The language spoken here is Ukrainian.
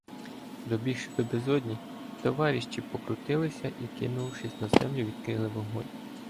Добігши до безодні, "товаріщі" покрутилися і, кинувшись на землю, відкрили вогонь.